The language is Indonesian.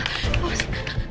aduh aduh aduh